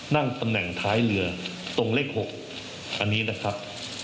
นั่งตำแหน่งท้ายเรือตรงเลข๖อันนี้นะครับ